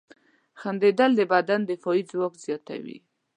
• خندېدل د بدن دفاعي ځواک زیاتوي.